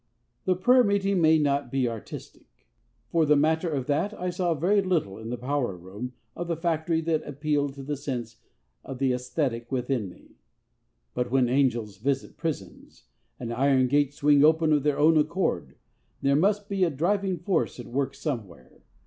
The prayer meeting may not be artistic. For the matter of that I saw very little in the power room of the factory that appealed to the sense of the aesthetic within me; but when angels visit prisons, and iron gates swing open of their own accord, there must be a driving force at work somewhere.